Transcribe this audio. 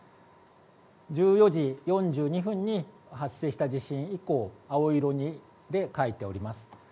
１４時４２分に発生した地震以降青色で書いてあります。